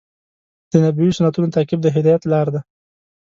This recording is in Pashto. د نبوي سنتونو تعقیب د هدایت لار دی.